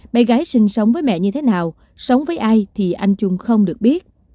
bé gái sinh sống với mẹ như thế nào sống với ai thì anh trung không được biết